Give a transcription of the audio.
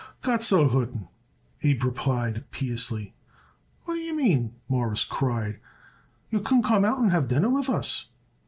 "Gott soll hüten," Abe replied piously. "What d'ye mean!" Morris cried. "You wouldn't come out and have dinner with us?"